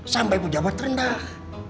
sampai pejabat rendah